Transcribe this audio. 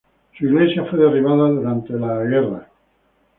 Su iglesia fue derribada durante la guerra civil española.